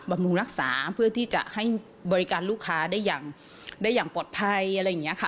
บำรุงรักษาเพื่อที่จะให้บริการลูกค้าได้อย่างปลอดภัยอะไรอย่างนี้ค่ะ